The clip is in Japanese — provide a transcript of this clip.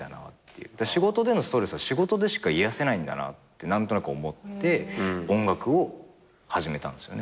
仕事でのストレスは仕事でしか癒やせないんだなって何となく思って音楽を始めたんですよね